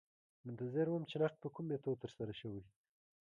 منتظر وم چې نقد په کوم میتود ترسره شوی.